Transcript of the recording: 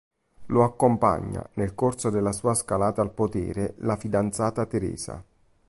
Lo accompagna, nel corso della sua scalata al potere, la fidanzata Teresa.